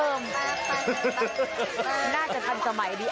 เอ่อน่าจะทำสมัยดี